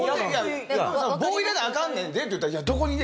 棒入れなアカンねんでって言うたら。